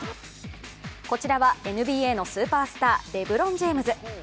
こちらはＮＢＡのスーパースター、レブロン・ジェームズ。